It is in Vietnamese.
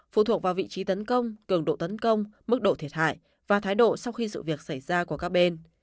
phụ thuộc vào vị trí tấn công cường độ tấn công mức độ thiệt hại và thái độ sau khi sự việc xảy ra của các bên